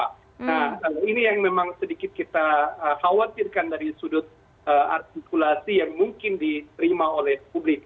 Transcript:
nah ini yang memang sedikit kita khawatirkan dari sudut artikulasi yang mungkin diterima oleh publik